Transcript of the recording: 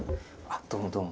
どうもどうも。